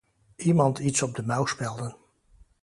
Iemand iets op de mouw spelden.